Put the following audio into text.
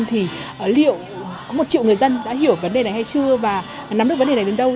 thì liệu có một triệu người dân đã hiểu vấn đề này hay chưa và nắm được vấn đề này đến đâu